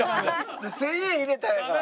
１０００円入れたんやから。